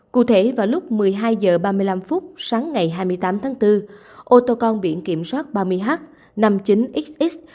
cụ thể vào lúc một mươi hai h ba mươi năm sáng ngày hai mươi tám tháng bốn ô tô con biển kiểm soát ba mươi h năm mươi chín xx